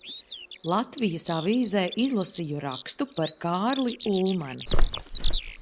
"Latvijas Avīzē" izlasīju rakstu par Kārli Ulmani.